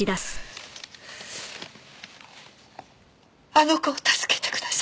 あの子を助けてください。